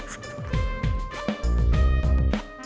sayang direct och like